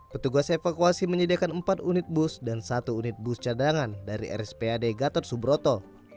petugas evakuasi menyediakan empat unit bus dan satu unit bus cadangan dari rspad gatot subroto